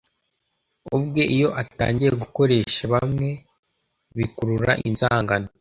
ubwe iyo atangiye gukoresha bamwe bikurura inzangano